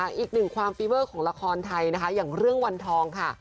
จุดถึงความฟีเวอร์ของละครไทยอย่างเรื่องวันทองค่ะ